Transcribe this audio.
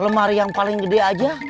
lemari yang paling gede aja